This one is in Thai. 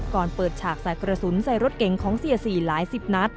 เปิดฉากใส่กระสุนใส่รถเก๋งของเสียสี่หลายสิบนัด